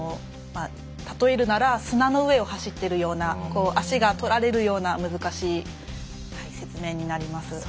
例えるなら砂の上を走っているような足が取られるような難しい説明になります。